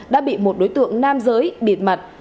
đã bị một đối tượng nam giới biệt mặt